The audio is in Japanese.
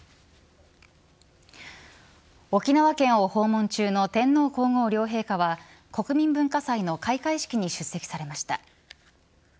沖縄県を訪問中の天皇皇后両陛下は国民文化祭の開会式に出席されました。